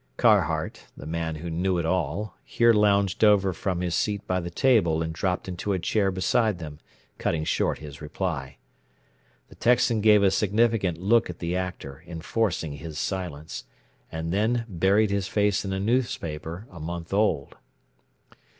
Carhart, the Man Who Knew It All, here lounged over from his seat by the table and dropped into a chair beside them, cutting short his reply. The Texan gave a significant look at the Actor, enforcing his silence, and then buried his face in a newspaper a month old.